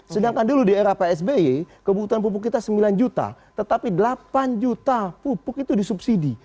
sedangkan dulu di era psby kebutuhan pupuk kita sembilan juta tetapi delapan juta pupuk itu disubsidi